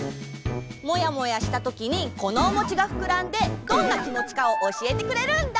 モヤモヤしたときにこのおもちがふくらんでどんなきもちかをおしえてくれるんだ！